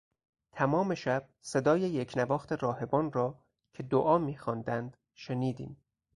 تمام شب صدای یکنواخت راهبان را که دعا میخواندند شنیدیم.